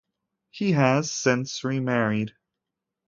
He has since remarried.